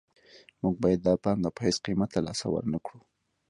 موږ باید دا پانګه په هېڅ قیمت له لاسه ورنکړو